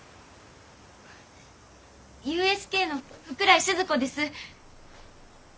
ＵＳＫの福来スズ子です。